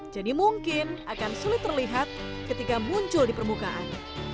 jadi mungkin akan sulit terlihat ketika muncul di permukaannya